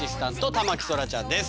田牧そらちゃんです。